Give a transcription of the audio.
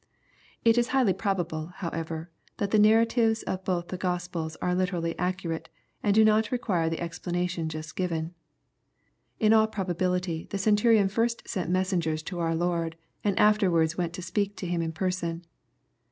— It is highly probable, however, that the narratives of both the Gospels are literaUy accurate, and do not require the explanation just given. In all probability the Centurion first sent messengers to our Lord, and afterwards went to speak to Him in person.